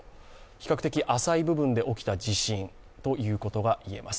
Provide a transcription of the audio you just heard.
比較的浅いところで起きた地震ということがいえます。